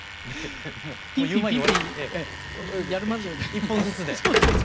１本ずつで。